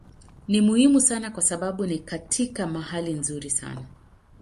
Ni muhimu sana kwa sababu ni katika mahali nzuri sana.